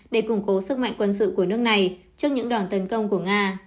để củng cố sức mạnh quân sự của nước này trước những đòn tấn công của nga